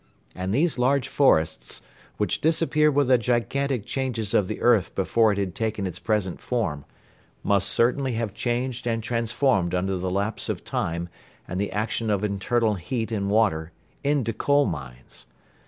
And these large forests, which disappeared with the gigantic changes of the earth before it had taken its present form, must certainly have changed and transformed under the lapse of time and the action of internal heat and water into coal mines.